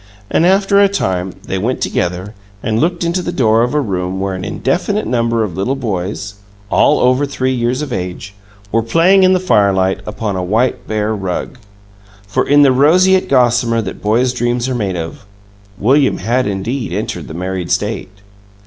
And, after a time, they went together, and looked into the door of a room where an indefinite number of little boys all over three years of age were playing in the firelight upon a white bear rug. For, in the roseate gossamer that boys' dreams are made of, William had indeed entered the married state.